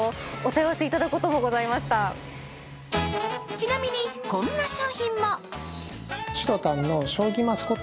ちなみに、こんな商品も。